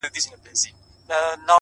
o مه راته وايه چي د کار خبري ډي ښې دي،